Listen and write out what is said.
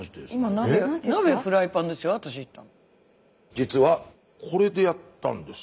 実はこれでやったんです。